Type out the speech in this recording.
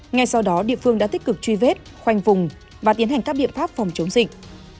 ngay sau đó địa phương đã tích cực truy vết khoanh vùng và tiến hành các biện pháp phòng chống dịch